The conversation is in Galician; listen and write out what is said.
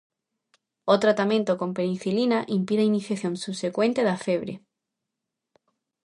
O tratamento con penicilina impide a iniciación subsecuente da febre.